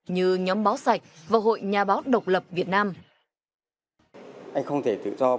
như nhóm báo sạch và hội nhà báo chí